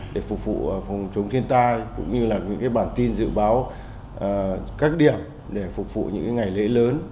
để phục vụ phòng chống thiên tai cũng như là những bản tin dự báo các điểm để phục vụ những ngày lễ lớn